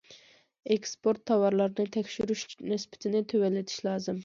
ئېكسپورت تاۋارلىرىنى تەكشۈرۈش نىسبىتىنى تۆۋەنلىتىش لازىم.